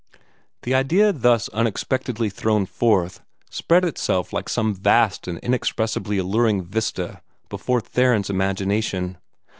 The idea thus unexpectedly thrown forth spread itself like some vast and inexpressibly alluring vista before Theron's imagination.